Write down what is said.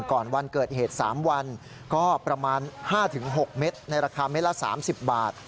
ก่อนวันเกิดเหตุ๓วันก็ประมาณ๕๖เม็ดในราคาเม็ดละ๓๐บาท